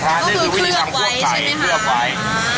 ไฟเพื่อไฟ